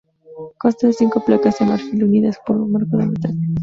Consta de cinco placas de marfil unidas por un marco de metal.